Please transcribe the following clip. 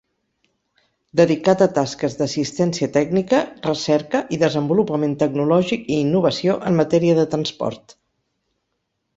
Dedicat a tasques d'assistència tècnica, recerca i desenvolupament tecnològic i innovació en matèria de transport.